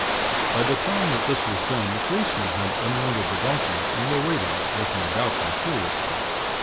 "By the time that this was done, the policemen had unloaded the donkeys, and were waiting, looking about them, curiously.